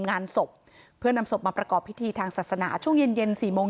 งานศพเพื่อนำศพมาประกอบพิธีทางศาสนาช่วงเย็นเย็นสี่โมง